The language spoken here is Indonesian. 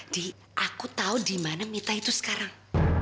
di aku tahu di mana mita itu sekarang